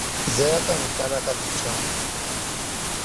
Zaya ka n kana ka ti chaŋ